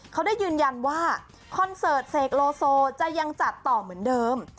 เขาได้ยืนยันว่าคอนเสิร์ตเสกโลโซจะยังจัดต่อเหมือนเดิม